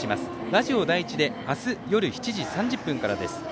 ラジオ第１で明日夜７時３０分からです。